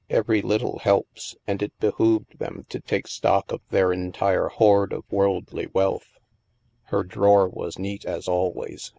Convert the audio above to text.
Every little helps, and it behooved them to take stock of their entire hoard of worldly wealth. Her drawer was neat, as always.